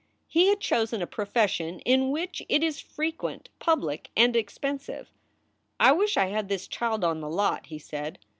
He had chosen a profession in which it is frequent, public, and expensive. "I wish I had this child on the lot," he said.